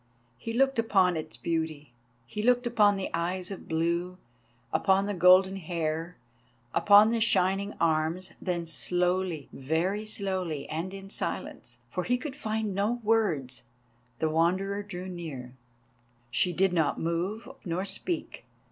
He looked upon its beauty, he looked upon the eyes of blue, upon the golden hair, upon the shining arms; then slowly, very slowly, and in silence—for he could find no words—the Wanderer drew near. She did not move nor speak.